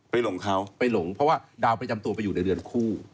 เพราะว่าดาวประจำตัวไปอยู่ในเดือนคู่